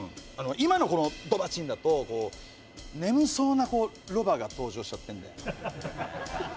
今のこの「ドバチン」だとこう眠そうなこうロバが登場しちゃってんだよ。